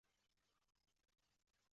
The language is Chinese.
动力系统采用油煤混合燃烧型锅炉。